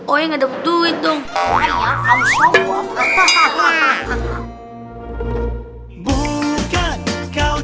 oh ya nggak ada butuh itu